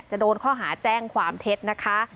โดนข้อหาแจ้งความเท็จนะคะ